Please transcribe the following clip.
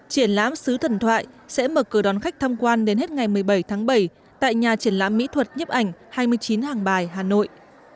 triển lãm xứ thần thoại sẽ mở cửa đón khách tham quan đến hết ngày một mươi bảy tháng bảy tại nhà triển lãm mỹ thuật nhấp ảnh hai mươi chín hàng bài hà nội